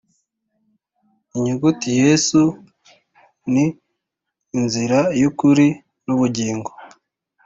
inyugutiYesu ni inzira y,ukuri n,ubugingo.